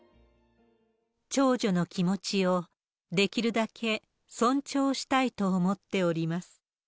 長女の気持ちをできるだけ尊重したいと思っております。